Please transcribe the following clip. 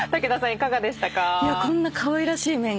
いかがでしたか？